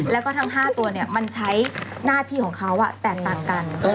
แล้วก็ทั้ง๕ตัวมันใช้หน้าที่ของเขาแตกต่างกัน